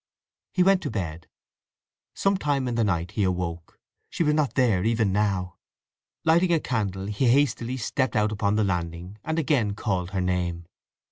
He went to bed. Some time in the night he awoke. She was not there, even now. Lighting a candle he hastily stepped out upon the landing, and again called her name.